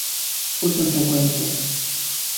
Uso frecuente.